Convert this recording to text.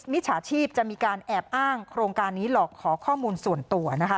มิจฉาชีพจะมีการแอบอ้างโครงการนี้หลอกขอข้อมูลส่วนตัวนะคะ